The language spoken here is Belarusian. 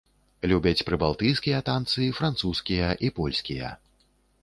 Любяць прыбалтыйскія танцы, французскія і польскія.